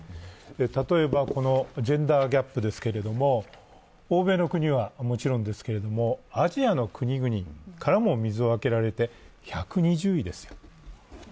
例えばジェンダーギャップですけれども、欧米の国はもちろんですがアジアの国々からも水をあけられて１２０位ですよ。